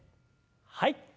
はい。